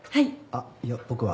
あっいや僕は。